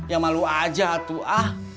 ya malu aja tuh ah